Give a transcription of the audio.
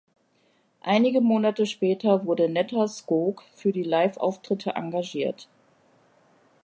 Einige Monate später wurde Netta Skog für die Live-Auftritte engagiert.